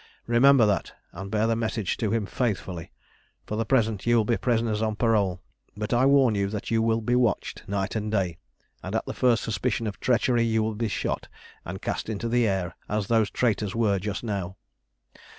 Remember that, and bear the message to him faithfully. For the present you will be prisoners on parole; but I warn you that you will be watched night and day, and at the first suspicion of treachery you will be shot, and cast into the air as those traitors were just now.